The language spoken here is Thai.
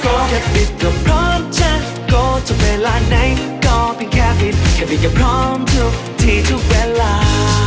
แค่บิ้นกับพร้อมทุกที่ทุกเวลา